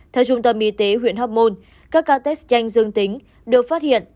theo trung tâm y tế huyện hóc môn các ca test nhanh dương tính được phát hiện